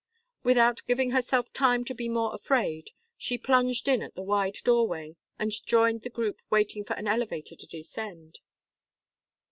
Without giving herself time to be more afraid, she plunged in at the wide doorway, and joined the group waiting for an elevator to descend.